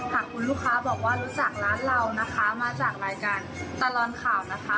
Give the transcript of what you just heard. หากคุณลูกค้าบอกว่ารู้จักร้านเรานะคะมาจากรายการตลอดข่าวนะคะ